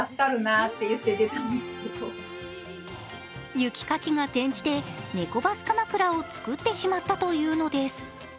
雪かきが転じて、ネコバスかまくらを造ってしまったというのです。